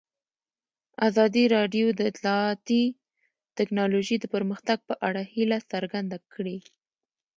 ازادي راډیو د اطلاعاتی تکنالوژي د پرمختګ په اړه هیله څرګنده کړې.